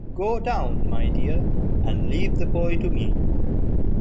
Go down, my dear, and leave the boy to me.